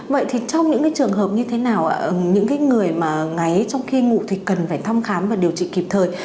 vậy thì trong những trường hợp như thế nào những người mà ngáy trong khi ngủ thì cần phải thăm khám và điều trị kịp thời